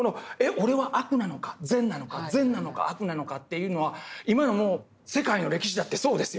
俺は悪なのか善なのか善なのか悪なのかというのは今の世界の歴史だってそうですよね。